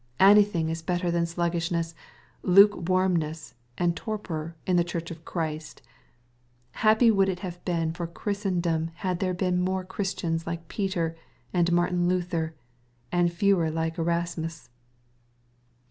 Anything is better than sluggishness, luke warmness, and torpor, in the Church of Christ. Happy would it have been for Christendom had there been more Christians like Peter and Martin Luther, and fewer like Erasmus.